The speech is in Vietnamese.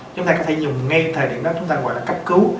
chúng ta có thể dùng ngay thời điểm đó chúng ta gọi là cấp cứu